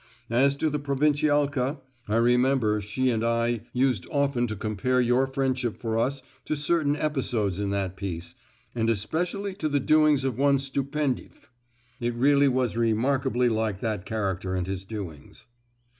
As to The Provincialka, I remember she and I used often to compare your friendship for us to certain episodes in that piece, and especially to the doings of one Stupendief. It really was remarkably like that character and his doings."